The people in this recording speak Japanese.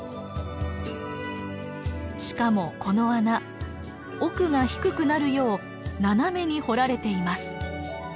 しかもこの穴奥が低くなるよう斜めに掘られています。